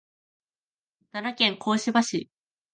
奈良県香芝市